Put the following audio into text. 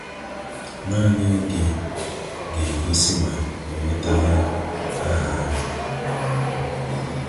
Naanị oge ga-egosi ma ọ nwetala aha ahụ.